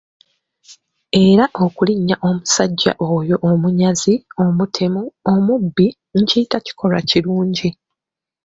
Era okulinnya omusajja oyo omunyazi, omutemu, omubi, nkiyita kikolwa kirungi.